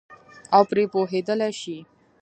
او پرې پوهېدلای شي.